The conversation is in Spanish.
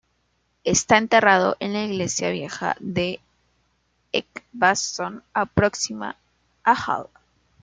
Está enterrado en la iglesia vieja de "Edgbaston", próxima a "hall".